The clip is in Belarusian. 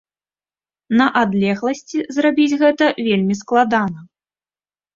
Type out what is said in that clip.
На адлегласці зрабіць гэта вельмі складана.